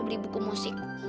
beli buku musik